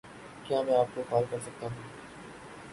کیا میں آپ کو کال کر سکتا ہوں